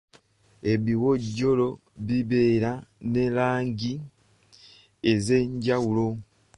Ebiwojjolo bibeera ne langi ez'enjawulo.